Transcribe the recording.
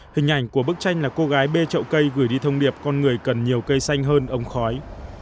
hình ảnh của bức tranh là cô gái bê trậu cây gửi đi thông điệp con người cần nhiều cây xanh hơn ống khói